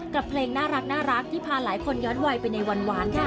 กับเพลงน่ารักที่พาหลายคนย้อนวัยไปในหวานค่ะ